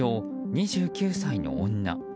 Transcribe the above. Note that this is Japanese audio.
２９歳の女。